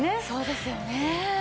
そうですよね。